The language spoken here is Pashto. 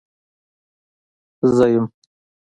زه يم.